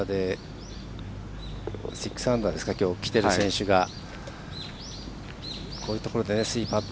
６アンダーできてる選手がこういうところで３パット。